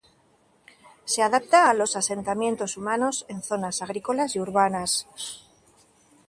Se adapta a los asentamientos humanos en zonas agrícolas y urbanas.